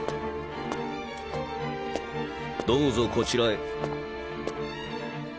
どうぞこちらへ。